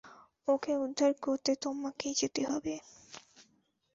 ওকে উদ্ধার করতে তোমাকেই যেতে হবে।